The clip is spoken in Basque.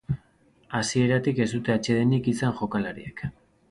Hasieratik ez dute atsedenik izan jokalariek.